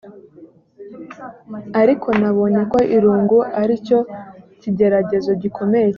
ariko nabonye ko irungu ari cyo kigeragezo gikomeye cyane